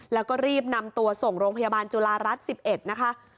แล้วก็รีบนำตัวส่งโรงพยาบาลจุฬารัฐ๑๑นะคะ